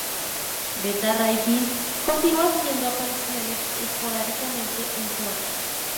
Beta Ray Bill continuó haciendo apariciones esporádicamente en Thor.